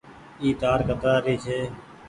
اي تآر ڪترآ ري ڇي۔